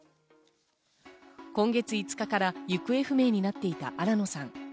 今月５日から行方不明になっていた新野さん。